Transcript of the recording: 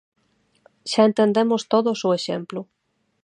Xa entendemos todos o exemplo.